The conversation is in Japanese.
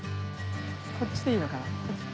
こっちでいいのかな？